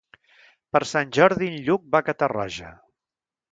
Per Sant Jordi en Lluc va a Catarroja.